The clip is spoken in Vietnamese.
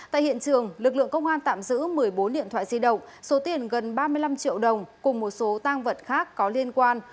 tại hiện trường lực lượng công an tạm giữ một mươi bốn điện thoại di động số tiền gần ba mươi năm triệu đồng cùng một số tăng vật khác có liên quan